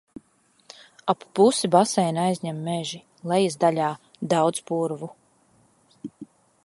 Ap pusi baseina aizņem meži, lejasdaļā daudz purvu.